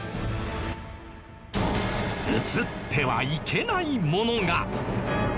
映ってはいけないものが。